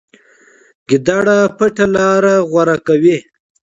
ګیدړ پټه لاره غوره کوي.